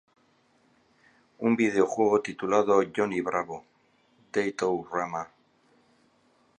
Un videojuego titulado "Johnny Bravo: Date-O-Rama!